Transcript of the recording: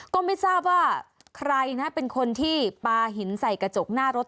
ก็ไม่ทราบว่าใครนะเป็นคนที่ปลาหินใส่กระจกหน้ารถ